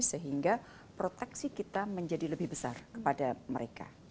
sehingga proteksi kita menjadi lebih besar kepada mereka